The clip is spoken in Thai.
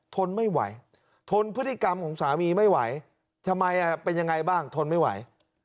ทนไม่ไหวทนพฤติกรรมของสามีไม่ไหวทำไมเป็นยังไงบ้างทนไม่ไหว